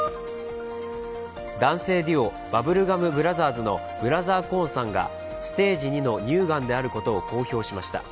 男性デュオ、バブルガム・ブラザーズのブラザー・コーンさんがステージ２の乳がんであることを公表しました。